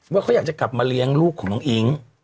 ว่าเขาอยากจะกลับมาเลี้ยงลูกของน้องอิ๊ง